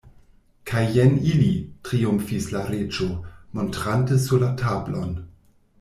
"Kaj jen ili," triumfis la Reĝo, montrante sur la tablon.